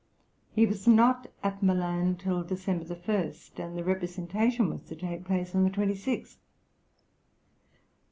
He was not at Milan till December 1, and the representation was to take place on the 26th.